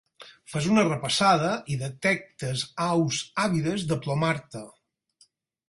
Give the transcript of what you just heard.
Fas una repassada i detectes aus àvides de plomar-te.